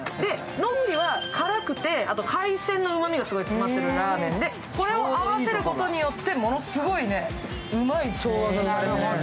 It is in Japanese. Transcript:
ノグリは辛くて、海鮮のうまみがすごく詰まってるラーメンで、これを合わせることによって、ものすごいうまい調和が生まれるの。